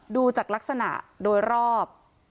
ดูจากลักษณะโดยรอบ